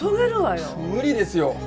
無理ですよ。